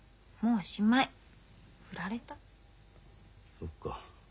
そっか。